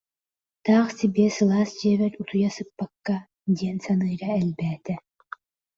Таах сибиэ сылаас дьиэбэр утуйа сыппакка диэн саныыра элбээтэ